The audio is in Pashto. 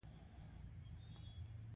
ميرويس خان د مني په اولو کې مکې ته ورسېد.